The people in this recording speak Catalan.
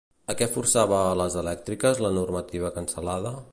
A què forçava a les elèctriques, la normativa cancel·lada?